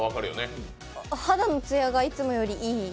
肌のつやがいつもよりいい。